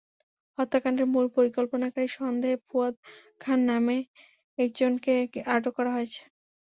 হত্যাকাণ্ডের মূল পরিকল্পনাকারী সন্দেহে ফুয়াদ খান নামের একজনকে আটক করা হয়েছে।